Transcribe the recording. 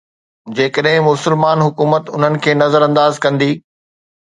جيڪڏهن مسلمان حڪومت انهن کي نظرانداز ڪندي.